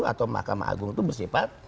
atau mahkamah agung itu bersifat